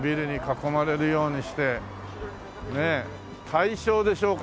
大正でしょうか。